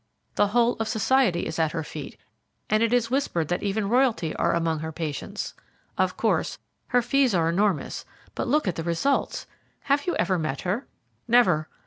The whole of society is at her feet, and it is whispered that even Royalty are among her patients. Of course, her fees are enormous, but look at the results! Have you ever met her?" "Never.